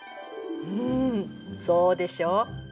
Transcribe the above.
うんそうでしょう。